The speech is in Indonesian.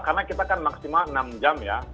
karena kita kan maksimal enam jam ya